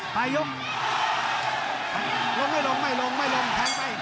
พลิกเทลงไปบ้าง